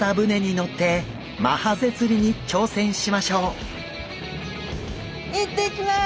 行ってきます！